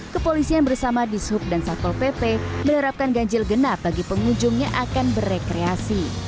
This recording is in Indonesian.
kepolisian bersama dishub dan satol pp menerapkan ganjil genap bagi pengunjungnya akan berekreasi